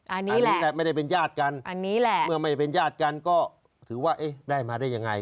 อันนี้แหละนี่แหละไม่ได้เป็นญาติกันอันนี้แหละเมื่อไม่ได้เป็นญาติกันก็ถือว่าเอ๊ะได้มาได้ยังไง